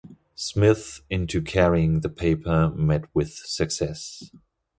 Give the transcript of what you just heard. Smith into carrying the paper met with success.